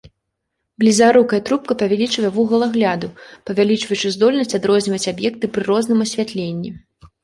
Блізарукая трубка павялічвае вугал агляду, павялічваючы здольнасць адрозніваць аб'екты пры розным асвятленні.